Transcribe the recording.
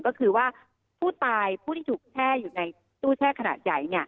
ก็คือว่าผู้ตายผู้ที่ถูกแช่อยู่ในตู้แช่ขนาดใหญ่